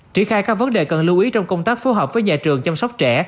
trị khai các vấn đề cần lưu ý trong công tác phù hợp với nhà trường chăm sóc trẻ